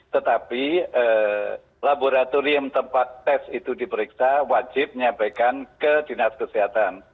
tetapi laboratorium tempat tes itu diperiksa wajib menyampaikan ke dinas kesehatan